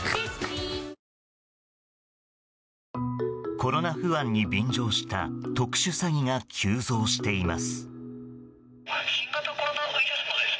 コロナ不安に便乗した特殊詐欺が急増しています。